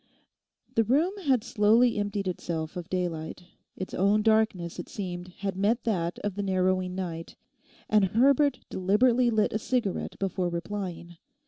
The room had slowly emptied itself of daylight; its own darkness, it seemed, had met that of the narrowing night, and Herbert deliberately lit a cigarette before replying.